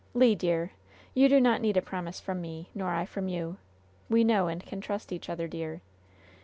"Le, dear, you do not need a promise from me, nor I from you. We know and can trust each other, dear.